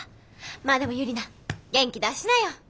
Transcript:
まあでもユリナ元気出しなよ。